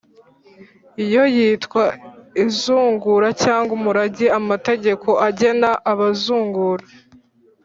yo yitwa izungura cyangwa umurage. amategeko agena abazungura